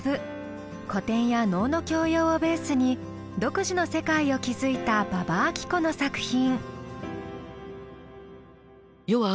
古典や能の教養をベースに独自の世界を築いた馬場あき子の作品。